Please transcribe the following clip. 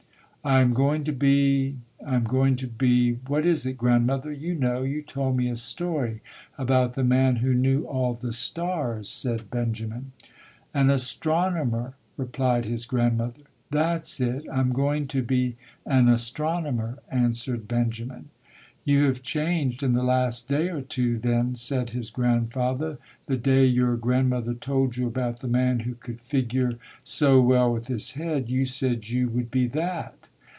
"I am going to be I am going to be what is it, grandmother? You know you told me a story about the man who knew all the stars", said Ben jamin. "An astronomer", replied his grandmother. "That's it, I am going to be an astronomer", answered Benjamin. "You have changed in the last day or two, then", said his grandfather. "The day your grand mother told you about the man who could figure so well with his head, you said you would be that".